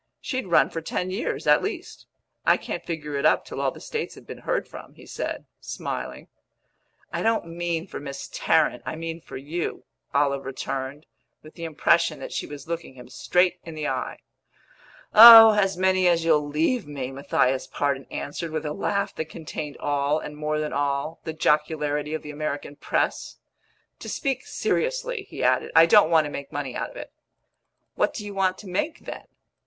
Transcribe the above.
She'd run for ten years, at least. I can't figure it up till all the States have been heard from," he said, smiling. "I don't mean for Miss Tarrant, I mean for you," Olive returned, with the impression that she was looking him straight in the eye. "Oh, as many as you'll leave me!" Matthias Pardon answered, with a laugh that contained all, and more than all, the jocularity of the American press. "To speak seriously," he added, "I don't want to make money out of it." "What do you want to make then?"